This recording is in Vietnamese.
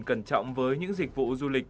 cẩn trọng với những dịch vụ du lịch